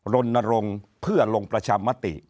รณรงค์เพื่อลงประชามติ